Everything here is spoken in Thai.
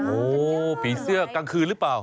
โอ้โหผีเสื้อกลางคืนหรือเปล่า